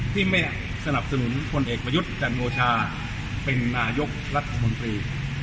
ที่ไม่สนับสนุนพลเอกประยุทธ์จันโอชาเป็นนายกรัฐมนตรี